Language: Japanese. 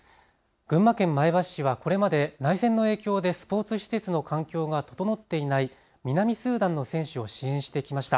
群馬県前橋市はこれまで内戦の影響でスポーツ施設の環境が整っていない南スーダンの選手を支援してきました。